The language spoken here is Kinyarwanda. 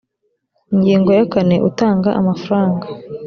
ingingo ya kane utanga amafaranga